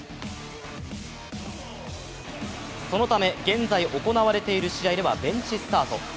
そのため、現在行われている試合ではベンチスタート。